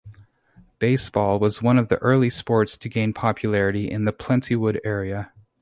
Baseball was one of the early sports to gain popularity in the Plentywood area.